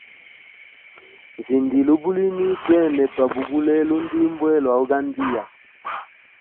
Nzindile ubulimi, twene twabugule lundimbwe lwa ugandia.